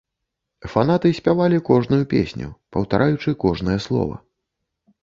Фанаты спявалі кожную песню, паўтараючы кожнае слова.